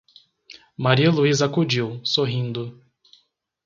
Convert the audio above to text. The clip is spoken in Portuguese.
Maria Luísa acudiu, sorrindo: